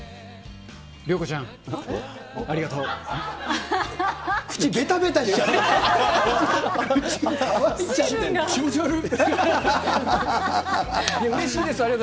涼子ちゃん、ありがとう。